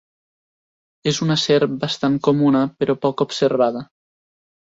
És una serp bastant comuna, però poc observada.